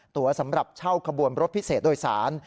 ตัวสำหรับเช่าขบวนรถพิเศษโดยสาร